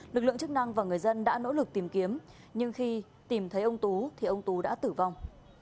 lực lượng chức năng và người dân đã nỗ lực tìm kiếm nhưng khi tìm thấy ông tú thì ông tú đã tử vong